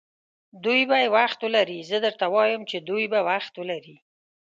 دوی به یې وخت ولري، زه درته وایم چې دوی به وخت ولري.